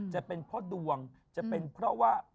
จะเป็นเพราะดวงจะเป็นเพราะว่า